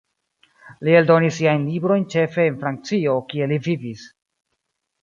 Li eldonis siajn librojn ĉefe en Francio, kie li vivis.